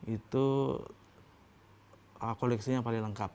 itu koleksinya paling lengkap